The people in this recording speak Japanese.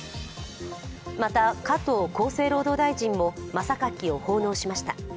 また、加藤厚生労働大臣も真榊を奉納しました。